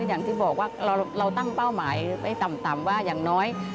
อย่างที่บอกว่าเราตั้งเป้าหมายไว้ต่ำว่าอย่างน้อย